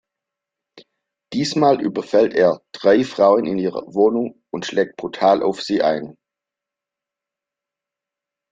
Diesmal überfällt er drei Frauen in ihrer Wohnung und schlägt brutal auf sie ein.